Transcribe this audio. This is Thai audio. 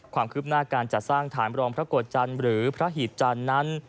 ความคืบหน้าการจัดสร้างฐานรองพระโกรธจันทร์หรือพระหีบจันทร์นั้น